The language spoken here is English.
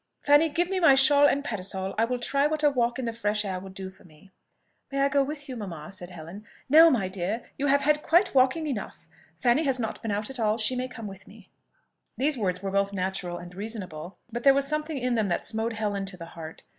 "Fanny, give me my shawl and parasol: I will try what a walk in the fresh air will do for me." "May I go with you, mamma?" said Helen. "No, my dear; you have had quite walking enough. Fanny has not been out at all: she may come with me." These words were both natural and reasonable, but there was something in them that smote Helen to the heart.